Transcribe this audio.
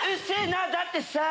だってさ。